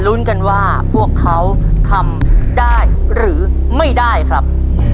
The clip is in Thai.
รุ้นกันว่าพวกเขาทำได้หรือไม่ได้ครับ